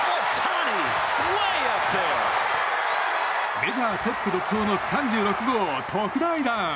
メジャートップ独走の３６号特大弾！